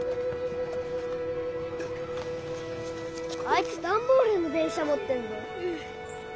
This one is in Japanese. あいつ段ボールの電車持ってんの。